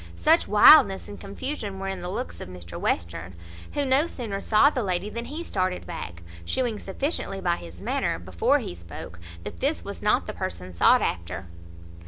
Such wildness and confusion were in the looks of Mr Western; who no sooner saw the lady than he started back, shewing sufficiently by his manner, before he spoke, that this was not the person sought after.